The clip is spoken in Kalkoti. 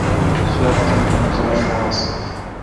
سواب تان تان کار می آس